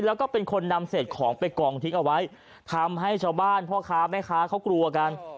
แล้วก็เป็นคนนำเศษของไปกองทิ้งเอาไว้ทำให้ชาวบ้านพ่อค้าแม่ค้าเขากลัวกัน